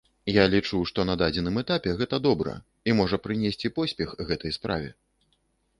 Я лічу, што на дадзеным этапе гэта добра, і можа прынесці поспех гэтай справе.